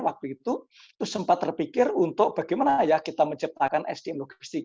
waktu itu sempat terpikir untuk bagaimana ya kita menciptakan sdm logistik